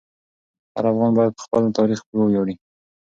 هر افغان باید په خپل تاریخ وویاړي.